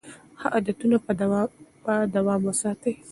ښه عادتونه په دوام وساتئ.